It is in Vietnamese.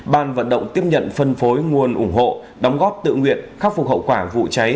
ban vận động tiếp nhận phân phối nguồn ủng hộ đóng góp tự nguyện khắc phục hậu quả vụ cháy